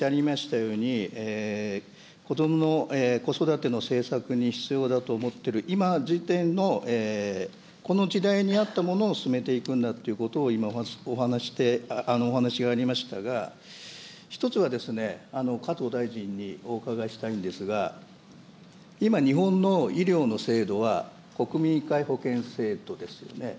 今、お話ありましたように、こどもの子育ての政策に必要だと思っている、今時点のこの時代に合ったものを進めていくんだということを、今お話がありましたが、一つはですね、加藤大臣にお伺いしたいんですが、今、日本の医療の制度は国民皆保険制度ですよね。